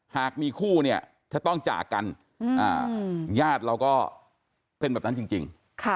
หากมีคู่เนี่ยจะต้องจากกันญาติเราก็เป็นแบบนั้นจริง